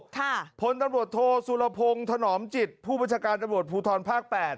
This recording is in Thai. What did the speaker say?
โทษโทสุรพงศ์ถนอมจิตผู้บัชการอบรวจภูทรภาค๘